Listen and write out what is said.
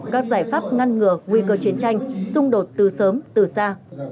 các giải pháp ngăn ngừa nguy cơ chiến tranh xung đột từ sớm từ xa